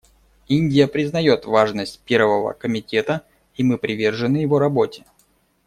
Индия признает важность Первого комитета, и мы привержены его работе.